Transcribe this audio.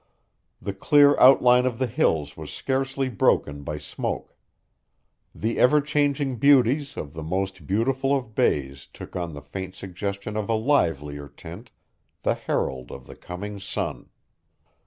The clear outline of the hills was scarcely broken by smoke. The ever changing beauties of the most beautiful of bays took on the faint suggestion of a livelier tint, the herald of the coming sun.